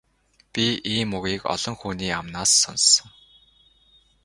Би ийм үгийг олон хүний амнаас сонссон.